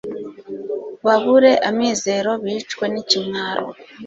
babure amizero bicwe n’ikimwaro